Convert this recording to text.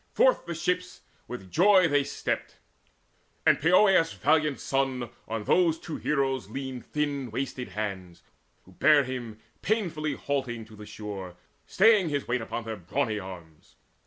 Forth the ship With joy they stepped; and Poeas' valiant son On those two heroes leaned thin wasted hands, Who bare him painfully halting to the shore Staying his weight upon their brawny arms.